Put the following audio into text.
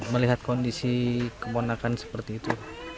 melihat kondisi keponakan seperti itu